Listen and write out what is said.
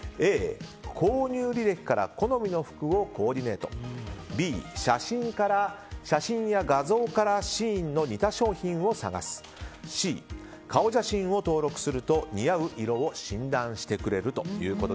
Ａ、購入履歴から好みの服をコーディネートＢ、写真や画像からＳＨＥＩＮの似た商品を探すＣ、顔写真を登録すると似合う色を診断してくれる。